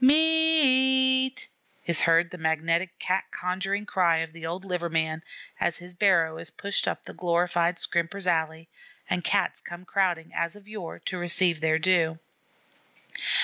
M e a t!" is heard the magnetic, cat conjuring cry of the old liver man, as his barrow is pushed up the glorified Scrimper's Alley, and Cats come crowding, as of yore, to receive their due.